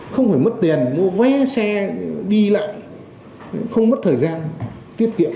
không phải mất tiền mua vé xe đi lại không mất thời gian tiết kiệm